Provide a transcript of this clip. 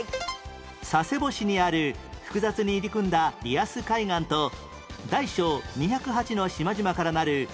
佐世保市にある複雑に入り組んだリアス海岸と大小２０８の島々からなる風光明媚な景勝地